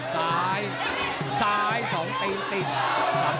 ซ้ายซ้าย๒ตีนติด